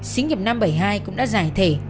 sinh nghiệp năm bảy mươi hai cũng đã giải thể